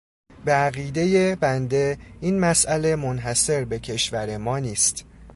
به عقیده بنده این مسئله منحصر به کشور ما نیست.